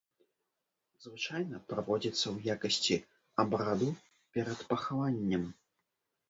Звычайна праводзіцца ў якасці абраду перад пахаваннем.